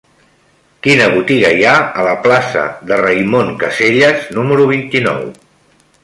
Quina botiga hi ha a la plaça de Raimon Casellas número vint-i-nou?